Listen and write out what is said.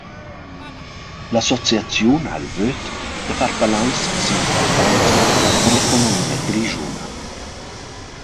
L’associaziun ha il böt da far palais sia importanza per l’economia grischuna.